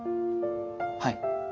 はい。